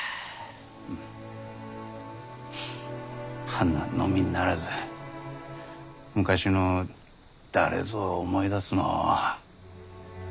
花のみならず昔の誰ぞを思い出すのう。